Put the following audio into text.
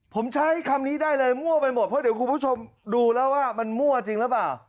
ผมใช้คำนี้ได้เลยมั่วไปหมดเพราะเดี๋ยวคุณผู้ชมดูแล้วว่ามันมั่วจริงหรือเปล่า